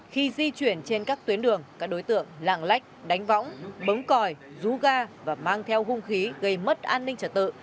khi di chuyển trên các tuyến đường các đối tượng lạng lách đánh võng bấm còi rú ga và mang theo hung khí gây mất an ninh trật tự